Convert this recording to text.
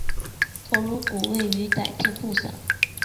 头颅骨位在短颈部上。